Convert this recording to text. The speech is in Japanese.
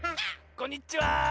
こんにちは！